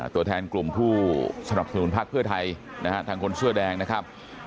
ตัวแทนกลุ่มผู้สนับสนุนพักเพื่อไทยนะฮะทางคนเสื้อแดงนะครับ